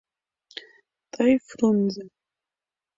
Тый, Фрунзе